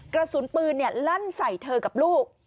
กระสุนปืนลั่นใส่เธอกับลูก